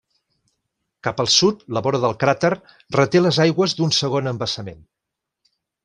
Cap al sud, la vora del cràter reté les aigües d'un segon embassament.